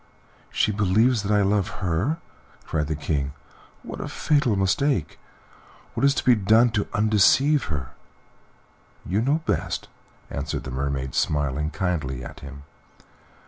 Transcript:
"She believes that I love her!" cried the King. "What a fatal mistake! What is to be done to undeceive her?" "You know best," answered the Mermaid, smiling kindly at him.